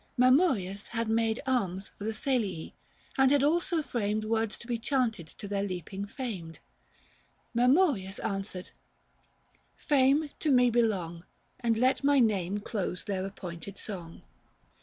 Mamurius had made Arms for the Salii, and had also framed 415 Words to be chanted to their leaping famed. Mamurius answered :—" Fame to me belong, And let my name close their appointed song."